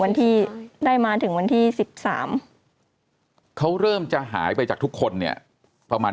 วันที่ได้มาถึงวันที่๑๓เขาเริ่มจะหายไปจากทุกคนเนี่ยประมาณ